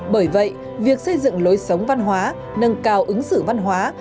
bởi vậy việc xây dựng lối sống văn hóa nâng cao ứng xử văn hóa